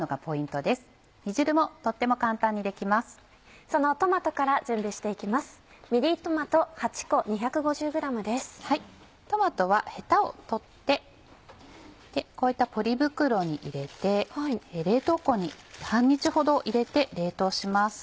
トマトはヘタを取ってこういったポリ袋に入れて冷凍庫に半日ほど入れて冷凍します。